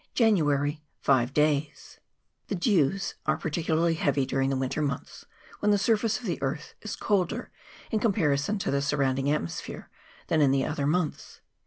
14 14 16 14 15 5 The dews are particularly heavy during the win ter months, when the surface of the earth is colder* in comparison to the surrounding atmosphere, than in the other months.